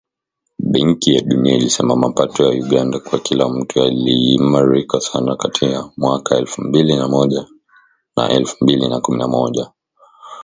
Benki ya Dunia ilisema mapato ya Uganda kwa kila mtu yaliimarika sana kati ya mwaka elfu mbili na moja na elfu mbili na kumi na moja